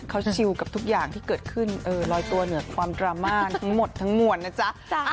เขาชิลกับทุกอย่างที่เกิดขึ้นลอยตัวเหนือความดราม่าทั้งหมดทั้งมวลนะจ๊ะ